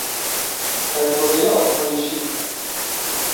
تجربهی آزمایشی